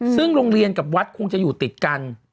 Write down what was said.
ซึ่งโรงเรียนกับวัดคงจะอยู่ติดกัน